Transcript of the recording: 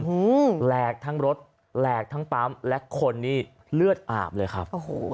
แหลกทั้งรถแหลกทั้งปั๊มและคนนี้เลือดอาบเลยครับโอ้โห